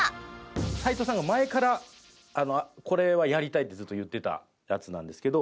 齊藤さんが前からこれはやりたいってずっと言ってたやつなんですけど。